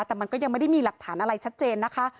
แต่มันก็ยังไม่ได้มีหลักฐานอะไรชัดเจนนะคะ